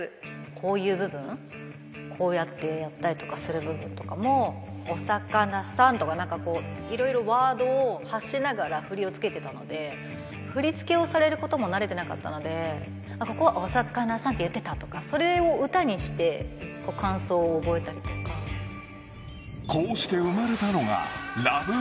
こういう部分、こうやってやったりとかする部分とかも、お魚さんとかなんかこう、いろいろワードを発しながら振りをつけてたので、振り付けをされることもなれてなかったので、ここはお魚さんって言ってたとか、それを歌にして、こうした生まれたのが、ＬＯＶＥ